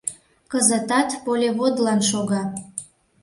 Кызытат полеводлан шога.